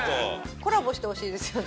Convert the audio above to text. コラボしてほしいですよね。